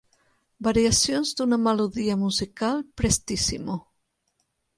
Variacions d'una melodia musical "Prestissimo".